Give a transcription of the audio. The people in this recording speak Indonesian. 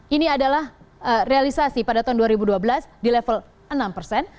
ini adalah realisasi pada tahun dua ribu dua belas di level enam persen